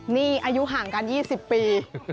นี่อายุห่างกัน๒๐ปี